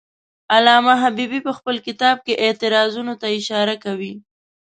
علامه حبیبي په خپل کتاب کې اعتراضونو ته اشاره کوي.